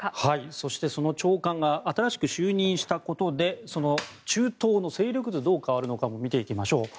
そしてその長官が新しく就任したことでその中東の勢力図がどう変わるのかも見ていきましょう。